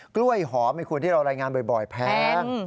กล้วยหอมไอ้คุณที่เรารายงานบ่อยแพง